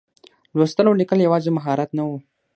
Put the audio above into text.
لوستل او لیکل یوازې مهارت نه و.